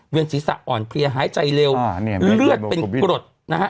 ศีรษะอ่อนเพลียหายใจเร็วเลือดเป็นกรดนะฮะ